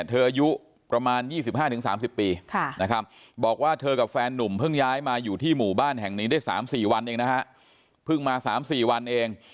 เธอยุประมาณ๒๕๓๐ปีบอกว่าเธอกับแฟนหนุ่มเพิ่งย้ายมาอยู่ที่หมู่บ้านแห่งนี้ได้๓๔วันเอง